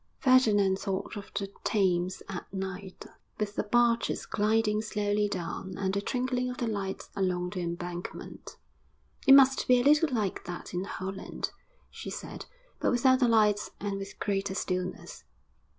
Ferdinand thought of the Thames at night, with the barges gliding slowly down, and the twinkling of the lights along the Embankment. 'It must be a little like that in Holland,' she said, 'but without the lights and with greater stillness.'